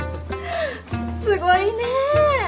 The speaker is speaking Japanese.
すごいねえ！